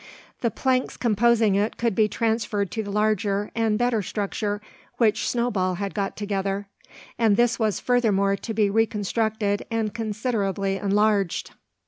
The planks composing it could be transferred to the larger and better structure which Snowball had got together; and this was furthermore to be reconstructed and considerably enlarged.